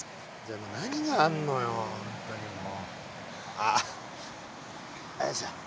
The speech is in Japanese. あっよいしょ。